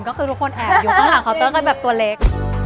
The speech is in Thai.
ก็คือทุกคนแอบอยู่ข้างหลังเขาตัวเข้าแบบตัวเล็ก